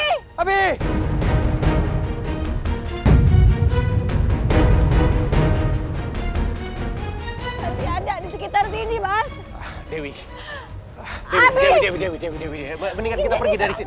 nanti ada disekitar sini